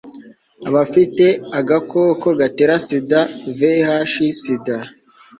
abafite agakoko gatera sida vih sida